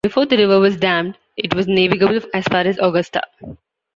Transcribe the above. Before the river was dammed, it was navigable as far as Augusta.